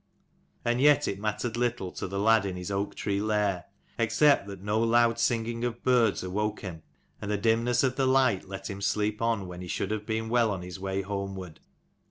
And yet it mattered little to the lad in his oak tree lair, except that no loud singing of birds awoke him, and the dimness of the light let him sleep on when he should have been well on his way homeward.